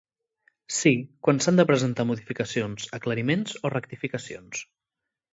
Sí, quan s'han de presentar modificacions, aclariments o rectificacions.